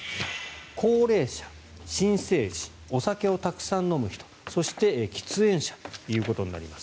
高齢者、新生児お酒をたくさん飲む人そして喫煙者ということになります。